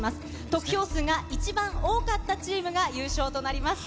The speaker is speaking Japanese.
得票数が一番多かったチームが優勝となります。